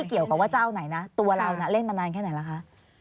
เกี่ยวกับว่าเจ้าไหนนะตัวเราน่ะเล่นมานานแค่ไหนล่ะคะ